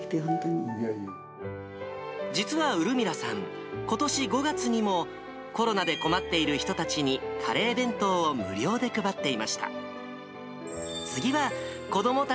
実はウルミラさん、ことし５月にも、コロナで困っている人たちにカレー弁当を無料で配っていました。